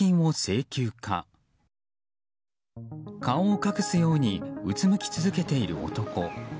顔を隠すようにうつむき続けている男。